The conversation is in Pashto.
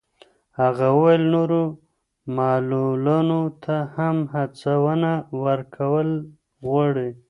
هغه وویل نورو معلولانو ته هم هڅونه ورکول غواړي.